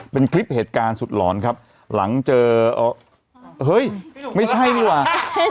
เป็นคลิปเหตุการณ์สุดหลอนครับหลังเจอเฮ้ยไม่ใช่นี่ว่ะ